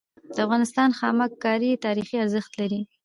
د افغانستان خامک کاری تاریخي ارزښت لري.